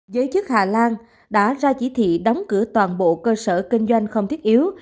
giới chức hà lan đã ra chỉ thị đóng cửa toàn bộ cơ sở kinh doanh không thiết yếu